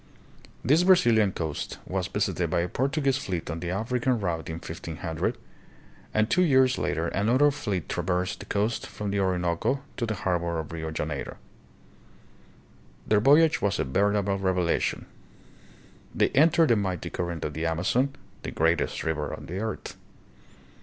This Brazilian coast was visited by a Portuguese fleet on the African route in 1500, and two years later another fleet traversed the coast from the Orinoco to the harbor of Rio Janeiro. Their voyage was a veritable revelation. They entered the mighty current of the Amazon, the great est river of the earth.